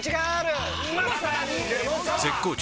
絶好調！！